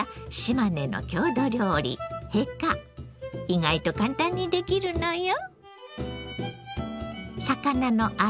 意外と簡単にできるのよ。